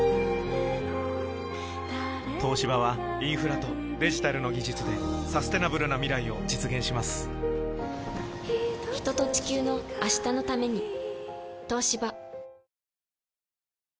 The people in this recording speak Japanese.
東芝はインフラとデジタルの技術でサステナブルな未来を実現します人と、地球の、明日のために。